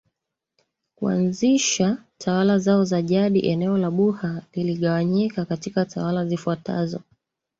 Kuanzisha tawala zao za jadi eneo la buha liligawanyika katika tawala zifuatazo